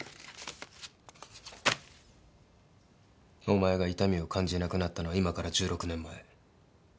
お前が痛みを感じなくなったのは今から１６年前。